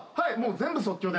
全部即興で。